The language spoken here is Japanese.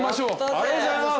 ありがとうございます。